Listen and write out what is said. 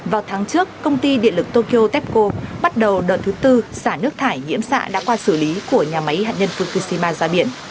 vào tháng trước công ty điện lực tokyo tepco bắt đầu đợt thứ tư xả nước thải nhiễm xạ đã qua xử lý của nhà máy hạt nhân fukushima ra biển